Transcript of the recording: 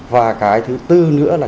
và cái thứ bốn nữa là